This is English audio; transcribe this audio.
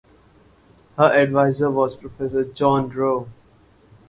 Her advisor was Professor John Rowe.